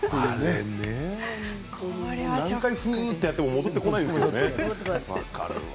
何回、フーっとやっても戻ってこないよね。